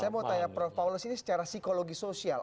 saya mau tanya prof paulus ini secara psikologi sosial